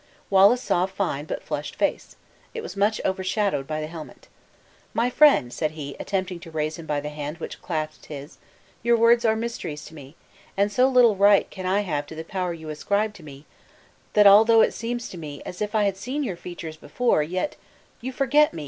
Wallace saw a fine but flushed face. It was much overshadowed by the helmet. "My friend," said he, attempting to raise him by the hand which clasped his, "your words are mysteries to me; and so little right can I have to the power you ascribe to me, that although it seems to me as if I had seen your features before, yet " "You forget me!"